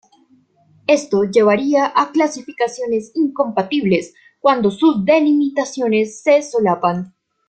Esto llevaría a clasificaciones incompatibles, cuando sus delimitaciones se solapan.